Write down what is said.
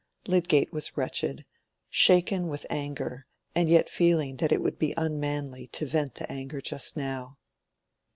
Lydgate was wretched—shaken with anger and yet feeling that it would be unmanly to vent the anger just now.